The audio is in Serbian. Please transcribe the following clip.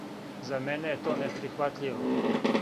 За мене је то неприхватљиво.